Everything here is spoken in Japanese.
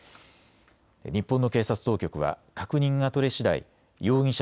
日本の警察当局は確認が取れしだい容疑者